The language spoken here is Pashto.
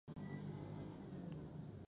خو چندان مرګ ژوبله یې نه ده اړولې.